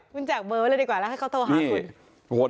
คุณแจกเบอร์ไว้เลยดีกว่าแล้วให้เขาโทรหาคุณ